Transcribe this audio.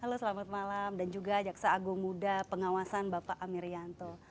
halo selamat malam dan juga jaksa agung muda pengawasan bapak amir yanto